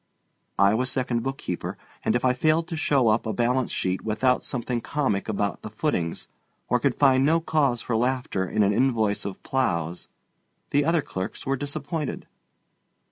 I was second bookkeeper, and if I failed to show up a balance sheet without something comic about the footings or could find no cause for laughter in an invoice of plows, the other clerks were disappointed.